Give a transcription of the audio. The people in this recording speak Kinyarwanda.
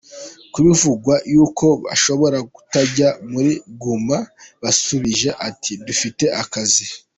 Kubivugwa y’uko bashobora kutajya muri Guma, basubije ati :”Dufite akazi.